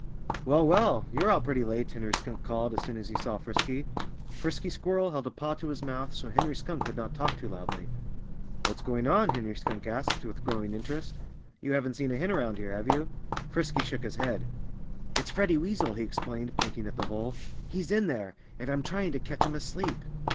"Well, well! You're out pretty late," Henry Skunk called, as soon as he saw Frisky. Frisky Squirrel held a paw to his mouth, so Henry Skunk would not talk too loudly. "What's going on?" Henry Skunk asked, with growing interest. "You haven't seen a hen around here, have you?" Frisky shook his head. "It's Freddie Weasel " he explained, pointing at the hole. "He's in there; and I'm trying to catch him asleep."